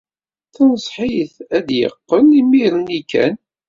Tenṣeḥ-it ad d-yeqqel imir-nni kan.